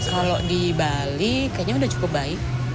kalau di bali kayaknya udah cukup baik